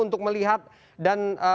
untuk melihat dan